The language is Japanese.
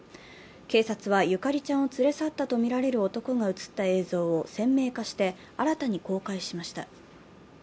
警察はゆかりちゃんを連れ去ったとみられる男が映った映像を鮮明化して、新たに公開しました。